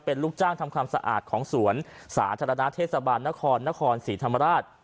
เป็นลูกจ้างทำความสะอาดของสวนสาธารณะเทศบาลนครนครศรีธรรมราช